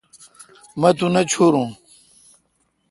مہ تو نہ چورو۔